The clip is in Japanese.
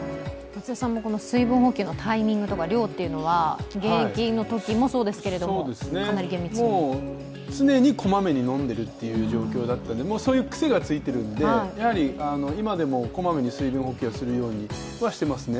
水分補給のタイミングとか涼というのは現役のときもそうですけれども、常にこまめに飲んでるっていう状況だったんでそういう癖がついているので今でもこまめに水分補給するようにしていますね。